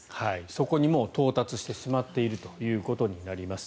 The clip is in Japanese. そこに到達してしまっているということになります。